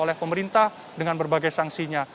oleh pemerintah dengan berbagai sanksinya